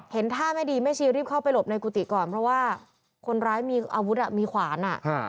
ท่าไม่ดีแม่ชีรีบเข้าไปหลบในกุฏิก่อนเพราะว่าคนร้ายมีอาวุธมีขวาน